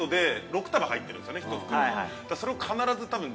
それを必ず多分。